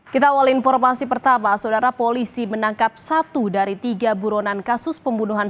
kita awal informasi pertama saudara polisi menangkap satu dari tiga buronan kasus pembunuhan